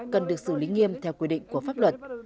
cần được xử lý nghiêm theo quy định của pháp luật